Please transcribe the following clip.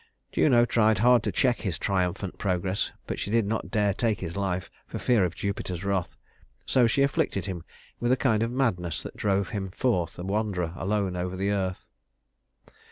Juno tried hard to check his triumphant progress, but she did not dare take his life for fear of Jupiter's wrath; so she afflicted him with a kind of madness that drove him forth a wanderer alone over the earth.